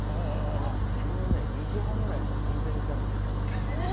昨日、２時半くらいまで銀座にいたんですよ。